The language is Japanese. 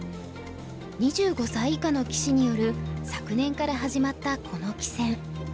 ２５歳以下の棋士による昨年から始まったこの棋戦。